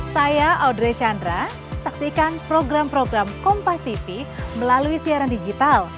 saya audrey chandra saksikan program program kompas tv melalui siaran digital